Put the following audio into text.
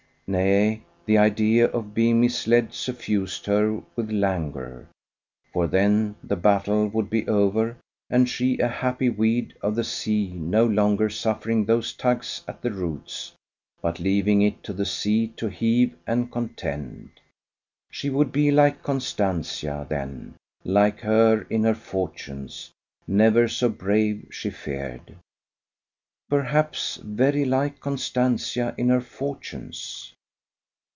Nay, the idea of being misled suffused her with languor; for then the battle would be over and she a happy weed of the sea no longer suffering those tugs at the roots, but leaving it to the sea to heave and contend. She would be like Constantia then: like her in her fortunes: never so brave, she feared. Perhaps very like Constantia in her fortunes!